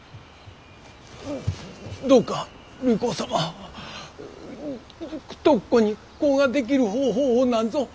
どうか隆光様徳子に子ができる方法をなんぞ！